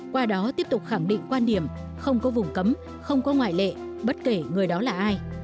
qua đó tiếp tục khẳng định quan điểm không có vùng cấm không có ngoại lệ bất kể người đó là ai